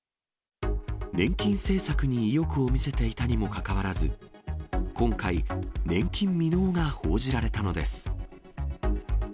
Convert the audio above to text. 年金政策に意欲を見せていたにもかかわらず、今回、年金未納が報じられたのです。